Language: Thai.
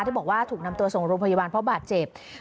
ที่บอกว่าถูกนำตัวส่งโรงพยาบาลเพราะบาดเจ็บ